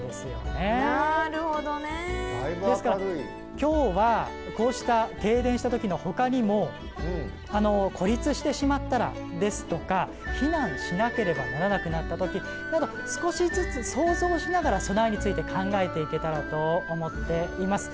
今日はこうした停電した時の他にも孤立してしまったらですとか避難しなければならなくなった時など少しずつ想像しながら備えについて考えていけたらと思っています。